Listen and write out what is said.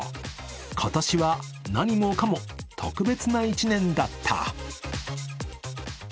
今年は何もかも特別な一年だった。